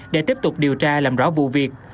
để tiếp tục điều tra làm rõ vụ việc